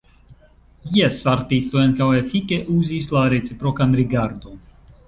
Jes, artistoj ankaŭ efike uzis la reciprokan rigardon.